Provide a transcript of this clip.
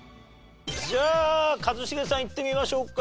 じゃあ一茂さんいってみましょうか。